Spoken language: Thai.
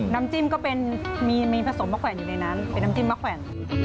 น้ำจิ้มก็เป็นมีผสมมะแขวนอยู่ในนั้นเป็นน้ำจิ้มมะแขวน